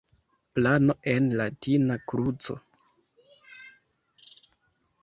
Plano en latina kruco.